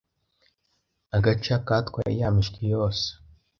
Agaca katwaye ya mishwi yose.